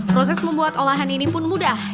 proses membuat olahan ini pun mudah